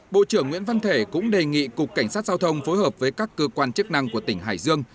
bộ trưởng nguyễn văn thể cũng đề nghị cục cảnh sát giao thông phối hợp với các cơ quan chức năng của tỉnh hải dương